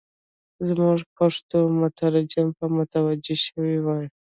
زموږ پښتو مترجم به متوجه شوی وای.